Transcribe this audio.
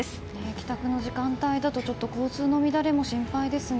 帰宅の時間帯だと、ちょっと交通の乱れも心配ですね。